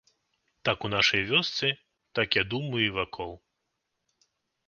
Так у нашай вёсцы, так я думаю і вакол.